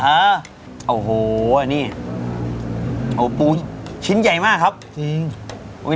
ฮะโอ้โหนี่เอาปูชิ้นใหญ่มากครับจริงอุ้ย